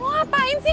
mau ngapain sih